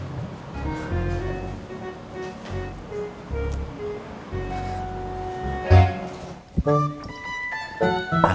maafin maik ya bang